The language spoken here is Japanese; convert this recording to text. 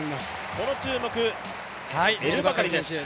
この注目、エルバカリです。